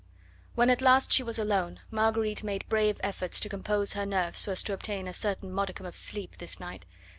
When at last she was alone Marguerite made brave efforts to compose her nerves so as to obtain a certain modicum of sleep this night.